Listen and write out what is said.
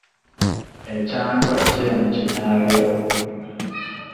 Ekyangwe kiri mu kinaabiro.